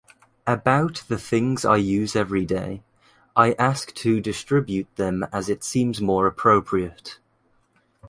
About the things I use everyday, I ask to distribute them as it seems more appropriate.